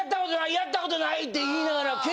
やったことない！」って言いながら。